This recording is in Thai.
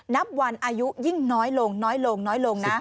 นับวันอายุยิ่งน้อยลงนะ